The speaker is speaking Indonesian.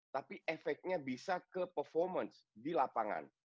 tapi efeknya bisa ke performance di lapangan